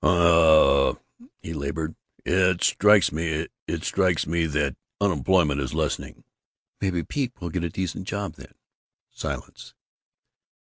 "I, uh " he labored. "It strikes me it strikes me that unemployment is lessening." "Maybe Pete will get a decent job, then." Silence.